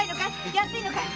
安いのかい？